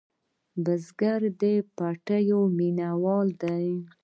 بزګر د پټي مېنهوال دی